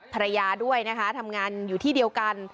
ภรรยาด้วยนะคะทำงานอยู่ที่เดียวกัน